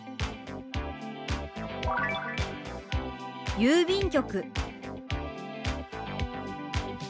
「郵便局」。